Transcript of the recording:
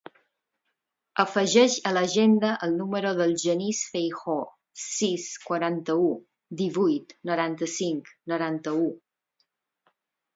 Afegeix a l'agenda el número del Genís Feijoo: sis, quaranta-u, divuit, noranta-cinc, noranta-u.